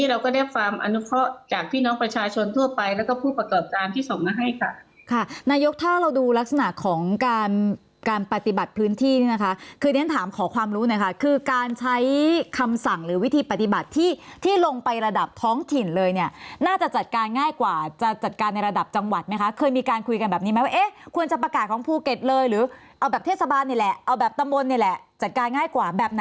ลักษณะของการการปฏิบัติพื้นที่นี่นะคะคือเนี้ยถามขอความรู้นะคะคือการใช้คำสั่งหรือวิธีปฏิบัติที่ที่ลงไประดับท้องถิ่นเลยเนี้ยน่าจะจัดการง่ายกว่าจะจัดการในระดับจังหวัดไหมคะเคยมีการคุยกันแบบนี้ไหมว่าเอ๊ะควรจะประกาศของภูเก็ตเลยหรือเอาแบบเทศบาลนี่แหละเอาแบบตำวนนี่แหล